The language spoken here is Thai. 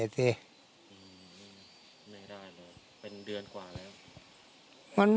ไม่ได้เลยเป็นเดือนกว่าแล้ว